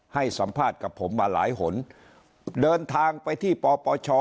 ให้สัมภาษณ์กับผมมาหลายหนเดินทางไปที่ปปช